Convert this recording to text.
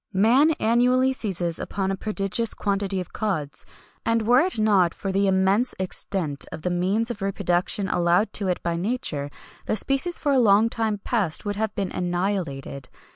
"Man annually seizes upon a prodigious quantity of cods, and were it not for the immense extent of the means of reproduction allowed to it by nature, the species for a long time past would have been annihilated.